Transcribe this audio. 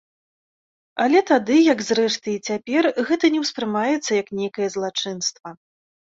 Але тады, як зрэшты і цяпер, гэта не ўспрымаецца як нейкае злачынства.